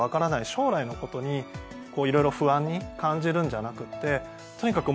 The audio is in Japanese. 将来のことにこう色々不安に感じるんじゃなくってとにかく